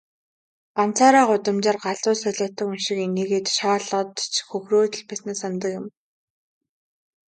Ганцаараа гудамжаар галзуу солиотой хүн шиг инээгээд, шоолоод ч хөхрөөд л байснаа санадаг юм.